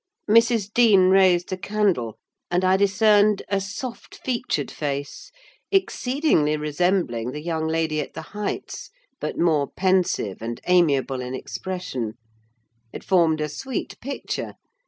Mrs. Dean raised the candle, and I discerned a soft featured face, exceedingly resembling the young lady at the Heights, but more pensive and amiable in expression. It formed a sweet picture.